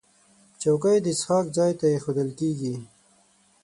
چوکۍ د څښاک ځای ته ایښودل کېږي.